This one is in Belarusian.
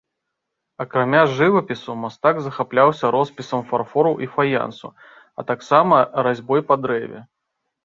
Акрамя жывапісу, мастак захапляўся роспісам фарфору і фаянсу, а таксама разьбой па дрэве.